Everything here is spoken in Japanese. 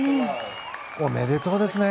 おめでとうですね！